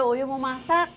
uyuh mau masak